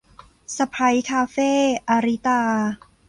สะใภ้คาเฟ่ - อาริตา